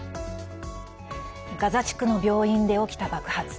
ガザ地区の病院で起きた爆発。